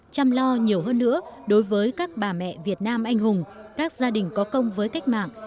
chăm lo nhiều hơn nữa đối với các bà mẹ việt nam anh hùng các gia đình có công với cách mạng